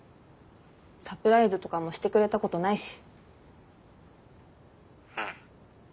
サプライズとかもしてくれたことないし。